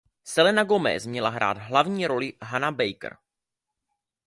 Selena Gomez měla hrát hlavní roli Hannah Baker.